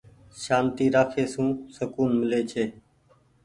سآنتي رآکي سون سڪون ملي ڇي۔